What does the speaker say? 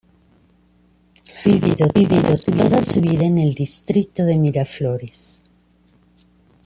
Ha vivido toda su vida en el distrito de Miraflores.